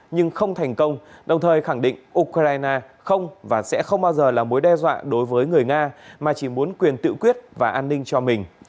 nhưng không thành công đồng thời khẳng định ukraine không và sẽ không bao giờ là mối đe dọa đối với người nga mà chỉ muốn quyền tự quyết và an ninh cho mình